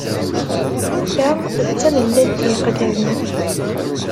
Ta d tamellalt yeqlan.